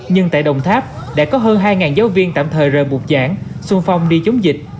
nhưng tại đồng tháp đã có hơn hai giáo viên tạm thời rời buộc giãn xung phong đi chống dịch